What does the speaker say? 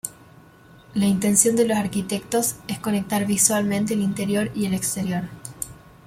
La intención de los arquitectos es conectar visualmente el interior y el exterior.